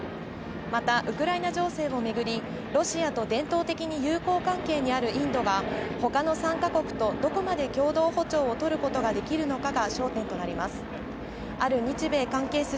またウクライナ情勢をめぐりロシアと伝統的に友好関係にあるインドが他の３か国とどこまで共同歩調を取ることができるのかが焦点となります。